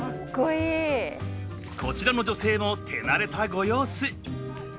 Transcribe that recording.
こちらの女性も手慣れたご様子。